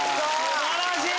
素晴らしい！